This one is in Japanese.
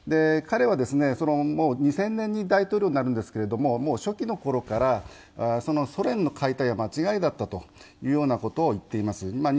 彼は２０００年に大統領になるんですけれども初期の頃からソ連の解体は間違いだったと言っています。